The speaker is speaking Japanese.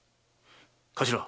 頭。